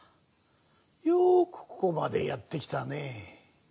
よくここまでやってきたね。